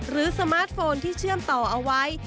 สมาร์ทโฟนที่เชื่อมต่อเอาไว้